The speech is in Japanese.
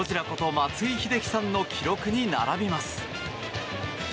松井秀喜さんの記録に並びます。